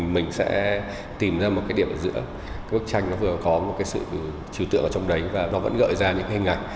mình sẽ tìm ra một điểm giữa bức tranh có một sự trừ tượng ở trong đấy và nó vẫn gợi ra những hình ảnh